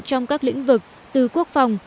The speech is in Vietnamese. trong các lĩnh vực từ quốc phòng